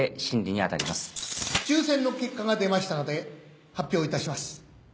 抽選の結果が出ましたので発表いたします。